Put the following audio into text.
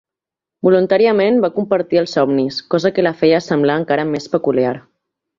Voluntàriament va compartir els somnis, cosa que la feia semblar encara més peculiar.